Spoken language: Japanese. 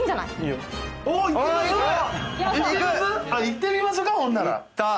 行ってみましょかほんなら。